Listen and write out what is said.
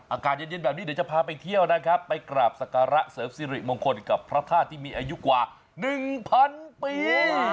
อากาศเย็นแบบนี้เดี๋ยวจะพาไปเที่ยวนะครับไปกราบสการะเสริมสิริมงคลกับพระธาตุที่มีอายุกว่า๑๐๐ปี